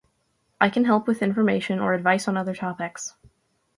I can help with information or advice on other topics.